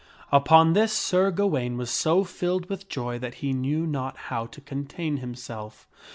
Upon this Sir .Gawaine was so filled with joy that he knew not how to contain himself.